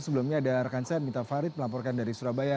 sebelumnya ada rekan saya minta farid melaporkan dari surabaya